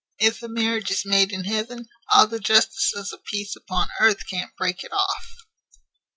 If a marriage is made in heaven, all the justices of peace upon earth can't break it off.